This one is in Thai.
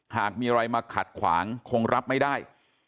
หากมีอะไรมาขัดขวางคงรับไม่ได้